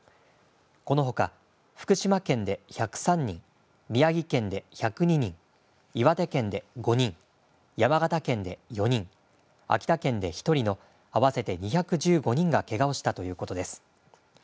このほか、福島県で１０３人、宮城県で１０２人、岩手県で５人、山形県で４人、秋田県で１人の合わせて２１５人がけがをしたということです。